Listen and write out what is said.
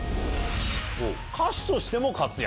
歌手としても活躍。